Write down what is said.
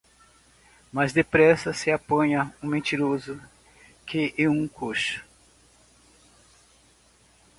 Mais depressa se apanha um mentiroso que um coxo.